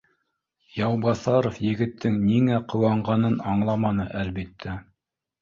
Яубаҫаров егеттең ниңә ҡыуанғанын аңламаны, әлбиттә